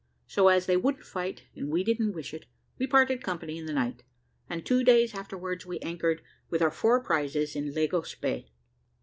So as they wouldn't fight, and we didn't wish it, we parted company in the night; and two days afterwards we anchored, with our four prizes, in Lagos Bay.